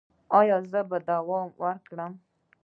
ایا زه باید دوام ورکړم؟